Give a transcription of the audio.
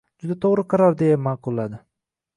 «Juda to‘g‘ri qaror! — deya ma’qulladi.